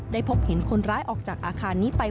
พบเห็นคนร้ายออกจากอาคารนี้ไป